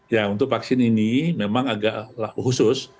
ya untuk vaksin ini memang agak khusus